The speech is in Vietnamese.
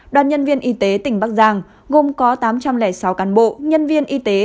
đoàn nhân viên y tế tỉnh bắc giang gồm có tám trăm linh sáu cán bộ nhân viên y tế